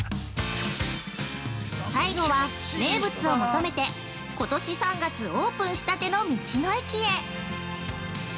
◆最後は、名物を求めて、今年３月オープンしたての道の駅へ。